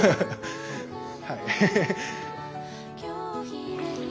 はい。